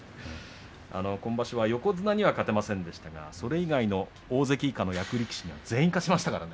今場所は横綱には勝てませんでしたがそれ以外の大関以下の役力士には全員勝ちましたからね。